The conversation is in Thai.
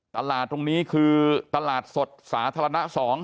ตลาดตรงนี้คือตลาดสดสาธารณะ๒